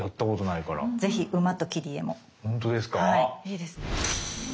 いいですね。